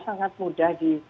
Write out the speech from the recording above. sangat mudah di